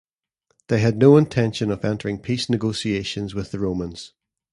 They had no intention of entering peace negotiations with the Romans.